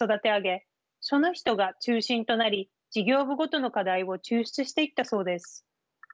その人が中心となり事業部ごとの課題を抽出していったそうです。